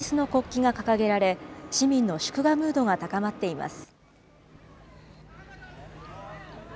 街には多くのイギリスの国旗が掲げられ、市民の祝賀ムードが高まっています。